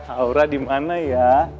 aura di mana ya